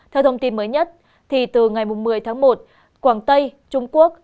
theo thông tin mới nhất thì từ ngày một mươi tháng một quảng tây trung quốc